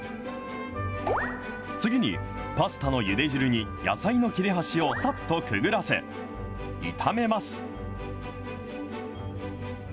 次に、パスタのゆで汁に野菜の切れ端をさっとくぐらせ、炒めます。